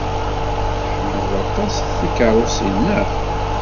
Tḥemmled aṭas tikeṛṛusin, naɣ?